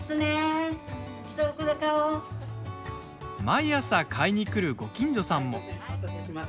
毎朝買いに来るご近所さんも。